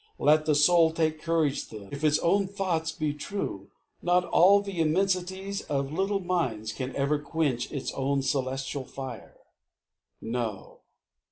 Let the soul Take courage, then. If its own thought be true, Not all the immensities of little minds Can ever quench its own celestial fire. No.